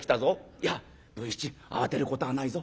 いや文七慌てることはないぞ。